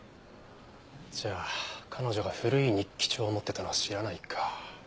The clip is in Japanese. じゃあ彼女が古い日記帳を持ってたのは知らないか。